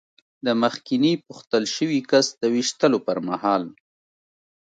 د مخکېني پوښتل شوي کس د وېشتلو پر مهال.